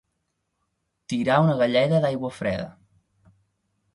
Tirar una galleda d'aigua freda.